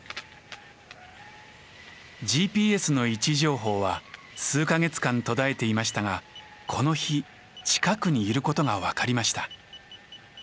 ＧＰＳの位置情報は数か月間途絶えていましたがこの日近くにいることが分かりました。